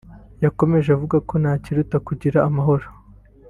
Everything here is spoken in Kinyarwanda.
yakomeje avuga ko nta kiruta kugira amahoro